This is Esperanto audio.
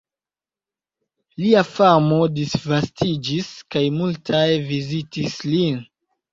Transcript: Lia famo disvastiĝis kaj multaj vizitis lin.